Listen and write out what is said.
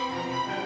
aku mau jalan